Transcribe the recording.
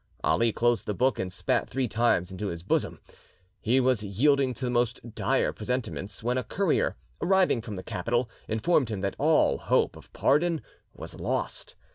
Ali closed the book and spat three times into his bosom. He was yielding to the most dire presentiments, when a courier, arriving from the capital, informed him that all hope of pardon was lost.